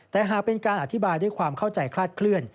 แต่หากเป็นการอธิบายด้วยความเข้าใจคลาดเคลื่อน